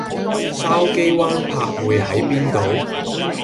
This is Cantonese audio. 筲箕灣柏匯喺邊度？